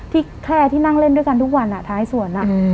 ที่แคลร์ที่นั่งเล่นด้วยกันทุกวันอ่ะท้ายสวนอ่ะอืม